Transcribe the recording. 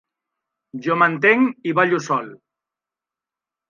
Jo m'entenc i ballo sol